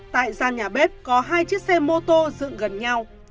tại gian nhà bếp có hai chiếc xe mô tô dựng gần nhau